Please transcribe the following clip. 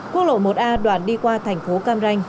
quốc lộ một a đoạn đi qua thành phố cam ranh